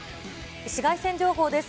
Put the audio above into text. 紫外線情報です。